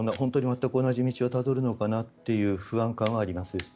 同じ道をたどるのかなという不安感はあります。